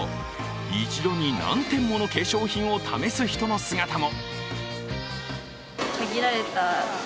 一度に何点もの化粧品を試す人の姿も。